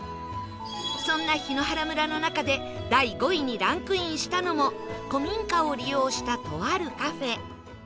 そんな檜原村の中で第５位にランクインしたのも古民家を利用したとあるカフェ